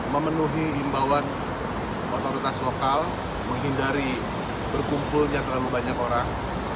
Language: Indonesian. memenuhi himbauan otoritas lokal menghindari berkumpulnya terlalu banyak orang